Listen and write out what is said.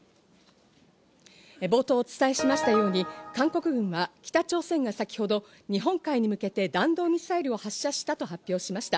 冒頭お伝えしましたように韓国軍は北朝鮮が先ほど日本海に向けて弾道ミサイルを発射したと発表しました。